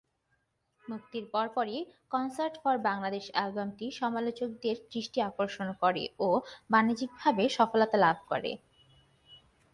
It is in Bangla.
মুক্তির পরপরই 'কনসার্ট ফর বাংলাদেশ' অ্যালবামটি সমালোচকদের দৃষ্টি আকর্ষণ করে ও বাণিজ্যিকভাবে সফলতা লাভ করে।